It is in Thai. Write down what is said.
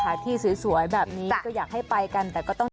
ที่สวยแบบนี้ก็อยากให้ไปกันแต่ก็ต้อง